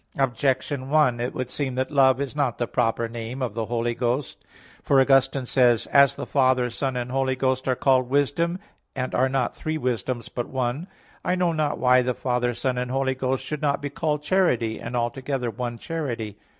Objection 1: It would seem that "Love" is not the proper name of the Holy Ghost. For Augustine says (De Trin. xv, 17): "As the Father, Son and Holy Ghost are called Wisdom, and are not three Wisdoms, but one; I know not why the Father, Son and Holy Ghost should not be called Charity, and all together one Charity."